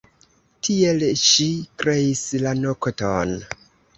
Tiel ŝi kreis la nokton.